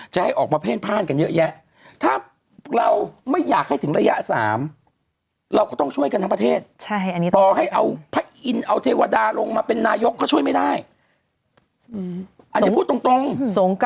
จะออกมาเพลิน